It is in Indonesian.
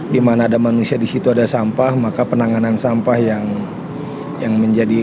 dimana ada manusia di situ ada sampah maka penanganan sampah yang menjadi